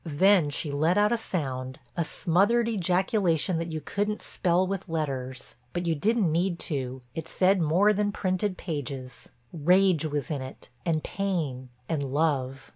Then she let out a sound, a smothered ejaculation that you couldn't spell with letters; but you didn't need to, it said more than printed pages. Rage was in it and pain and love.